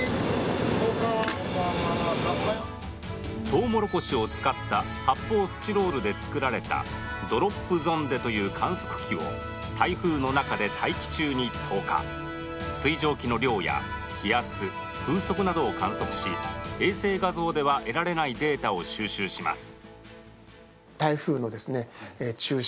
とうもろこしを使った発泡スチロールで作られたドロップゾンデという観測機を台風の中で待機中に交換水蒸気の量や気圧風速などを観測し衛星画像では得られないデータを収集します